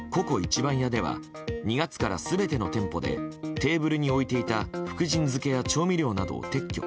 番屋では２月から全ての店舗でテーブルに置いていた福神漬けや調味料などを撤去。